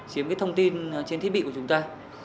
chiếm cái thông tin trên thiết bị của chúng ta